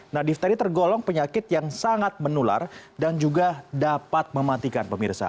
nah difteri tergolong penyakit yang sangat menular dan juga dapat mematikan pemirsa